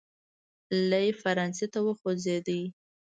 لی فرانسې ته وخوځېد.